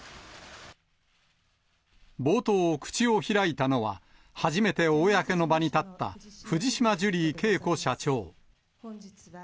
冒頭、口を開いたのは、初めて公の場に立った、藤島ジュリー景子社長。